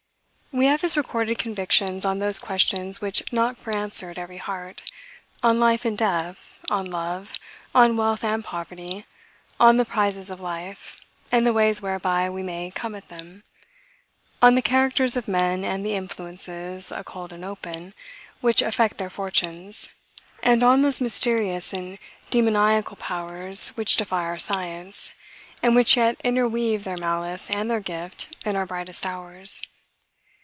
We have his recorded convictions on those questions which knock for answer at every heart, on life and death, on love, on wealth and poverty, on the prizes of life, and the ways whereby we may come at them; on the characters of men, and the influences, occult and open, which affect their fortunes: and on those mysterious and demoniacal powers which defy our science, and which yet interweave their malice and their gift in our brightest hours.